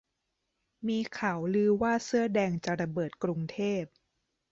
มีข่าวลือว่าเสื้อแดงจะระเบิดกรุงเทพ